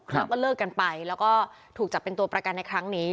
แล้วก็เลิกกันไปแล้วก็ถูกจับเป็นตัวประกันในครั้งนี้